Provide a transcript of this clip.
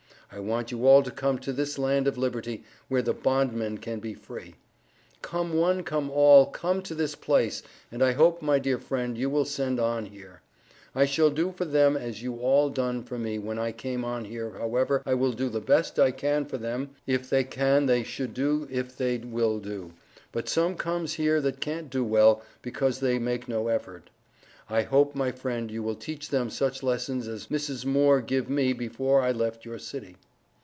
I want you all to come to this land of Liberty where the bondman can be free. Come one come all come to this place, and I hope my dear friend you will send on here. I shall do for them as you all done for me when I came on here however I will do the best I can for them if they can they shall do if they will do, but some comes here that can't do well because they make no efford. I hope my friend you will teach them such lessons as Mrs. Moore Give me before I left your city.